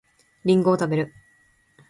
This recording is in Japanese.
りんごを食べる